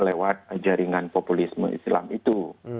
lewat jaringan populisme islam itu